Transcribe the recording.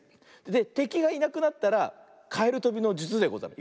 でてきがいなくなったらかえるとびのじゅつでござる。